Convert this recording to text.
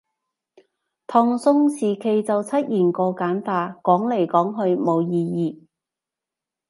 唐宋時期就出現過簡化，講來講去冇意義